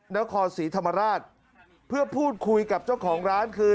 นครศรีธรรมราชเพื่อพูดคุยกับเจ้าของร้านคือ